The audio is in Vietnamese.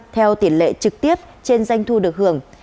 theo tiền lệ trực tiếp trên doanh thu được hưởng